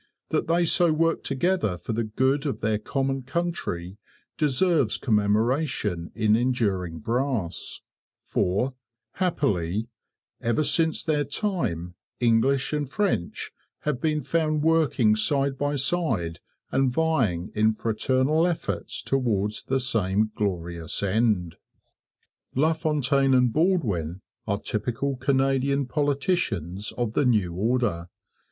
That they so worked together for the good of their common country deserves commemoration in enduring brass; for, happily, ever since their time English and French have been found working side by side and vying in fraternal efforts towards the same glorious end. LaFontaine and Baldwin are typical Canadian politicians of the new order.